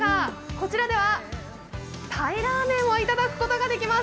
こちらでは鯛ラーメンをいただくことができます。